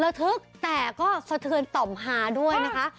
ทึกแต่ก็สะเทือนต่อมหาด้วยนะคะ